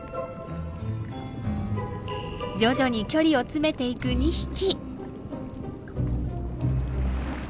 徐々に距離を詰めていく２匹。